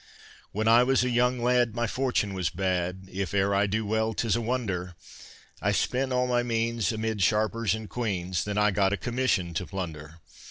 'When I was a young lad, My fortune was bad, If ere I do well 'tis a wonder. I spent all my means Amid sharpers and queans; Then I got a commission to plunder.